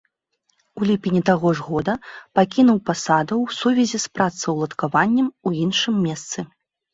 У ліпені таго ж года пакінуў пасаду ў сувязі з працаўладкаваннем у іншым месцы.